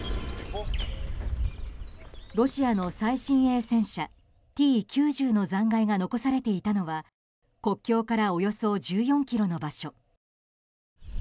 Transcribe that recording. ロシアの最新鋭戦車Ｔ９０の残骸が残されていたのは国境からおよそ１４ｋｍの場所。